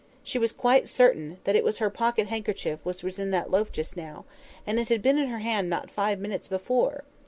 She was quite certain that it was her pocket handkerchief which was in that loaf just now; and it had been in her own hand not five minutes before.